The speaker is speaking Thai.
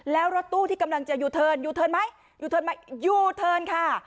แล้วรถตู้ที่กำลังจะอยู่เทินอยู่เทินไหมอยู่เทินค่ะ